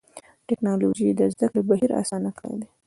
ټکنالوجي د زدهکړې بهیر آسانه کړی دی.